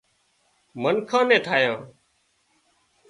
منکان نين ٺاهيان